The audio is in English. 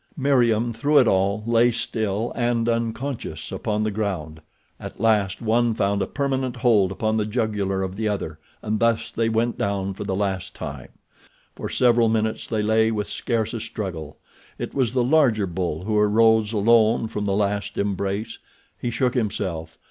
Meriem, through it all, lay still and unconscious upon the ground. At last one found a permanent hold upon the jugular of the other and thus they went down for the last time. For several minutes they lay with scarce a struggle. It was the larger bull who arose alone from the last embrace. He shook himself.